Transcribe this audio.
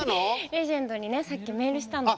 レジェンドにねさっきメールしたの。